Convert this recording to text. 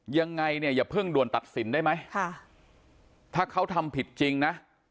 ยังไงเนี่ยอย่าเพิ่งด่วนตัดสินได้ไหมค่ะถ้าเขาทำผิดจริงนะ